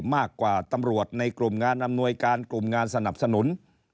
มากกว่าตำรวจในกลุ่มงานอำนวยการกลุ่มงานสนับสนุน